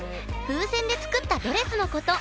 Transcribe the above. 風船で作ったドレスのこと。